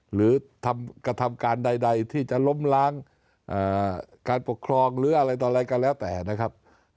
หรือกระทำการใดที่จะล้มล้างการปกครองหรืออะไรต่ออะไรก็แล้วแต่นะครับ